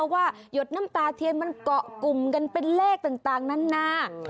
หรือว่าหยดน้ำตาเทียนมันเกาะกลุ่มกันเป็นเลขต่างนั้นนะ